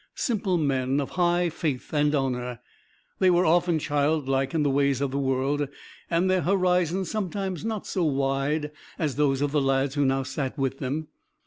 Simple men, of high faith and honor, they were often childlike in the ways of the world, their horizons sometimes not so wide as those of the lads who now sat with them.